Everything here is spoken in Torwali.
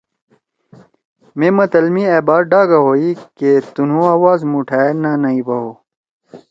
مے متل ما أ بات ڈاگہ ہوئی کہ تنُو آواز مُوٹھائے نہ نئی بھؤ۔